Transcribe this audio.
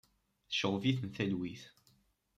Tceɣɣeb-iten talwit.